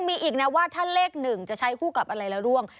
มีอีกว่าถ้าเลขหนึ่งจะใช้คู่กับอะไรละร่วง